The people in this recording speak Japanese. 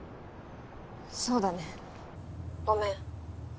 そうだね。ごめん。